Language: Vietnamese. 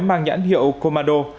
mang nhãn hiệu comado